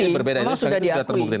ini berbeda ini sudah terbukti